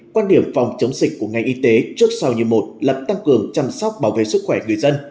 quan điểm phòng chống dịch của ngành y tế trước sau như một là tăng cường chăm sóc bảo vệ sức khỏe người dân